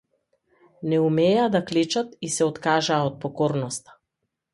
Не умееја да клечат и се откажаа од покорноста.